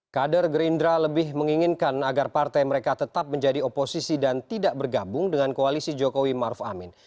kader gerindra lebih menginginkan agar partai mereka tetap menjadi oposisi dan tidak bergabung dengan koalisi jokowi maruf amin